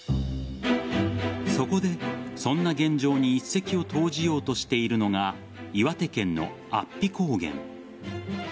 そこで、そんな現状に一石を投じようとしているのが岩手県の安比高原。